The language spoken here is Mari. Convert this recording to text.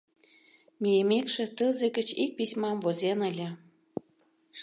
Мийымекше, тылзе гыч ик письмам возен ыле.